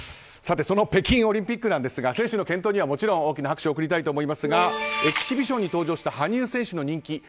その北京オリンピックなんですが選手の健闘にはもちろん大きな拍手を送りたいと思いますがエキシビションに登場した羽生選手の人気